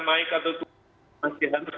naik atau turun masih harus